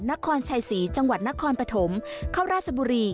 นครชัยศรีจังหวัดนครปฐมเข้าราชบุรี